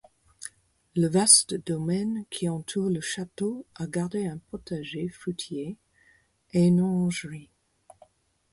Le vaste domaine qui entoure le château a gardé un potager-fruitier et une orangerie.